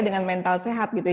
dengan mental sehat gitu